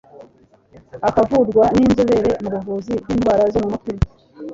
akavurwa n'inzobere mu buvuzi bw'indwara zo mu mutwe